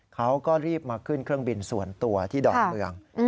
เขาก็รีบมาขึ้นเครื่องบินส่วนตัวที่ดอนเมือง